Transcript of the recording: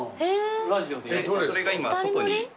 でそれが今外に。